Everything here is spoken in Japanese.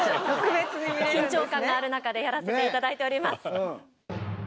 緊張感がある中でやらせて頂いております。